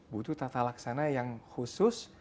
butuh tata laksana yang khusus